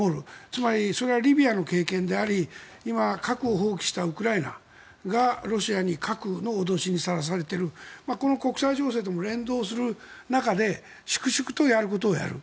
つまり、リビアの経験であり核を放棄したウクライナが、ロシアに核の脅しにさらされているこの国際情勢とも連動する中で粛々とやることをやる。